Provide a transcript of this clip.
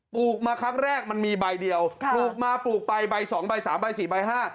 ลูกมาครั้งแรกมันมีใบเดียวค่ะปลูกมาปลูกไปใบสองใบสามใบสี่ใบห้า